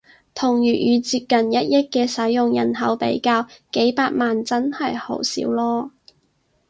同粵語接近一億嘅使用人口比較，幾百萬真係好少囉